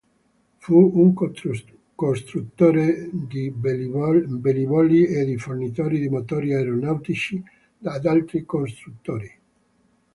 Fu un costruttore di velivoli e di fornitore di motori aeronautici ad altri costruttori.